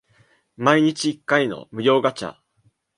毎日一回の無料ガチャ